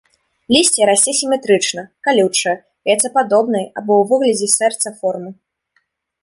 Лісце расце сіметрычна, калючае, яйцападобнай, або ў выглядзе сэрца, формы.